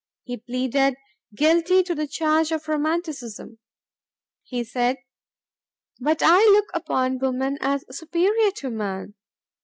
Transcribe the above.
He pleaded "guilty to the charge of Romanticism." He said, "But I look upon woman as superior to man."